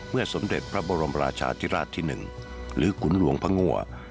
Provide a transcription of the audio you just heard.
เมื่อสมเด็จพระบรมราชาธิราชที่หนึ่งหรือขุนลวงพระงว่า